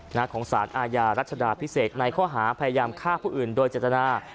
หน้าของศาลอายารัฐธรรมพิเศษในก้อหาพยายามฆ่าผู้อื่นโดยจัตรนา